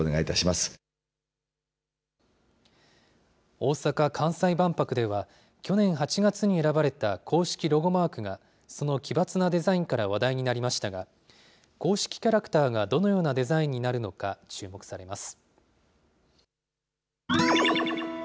大阪・関西万博では、去年８月に選ばれた公式ロゴマークが、その奇抜なデザインから話題になりましたが、公式キャラクターがどのようなデザインになるのか、注目されます。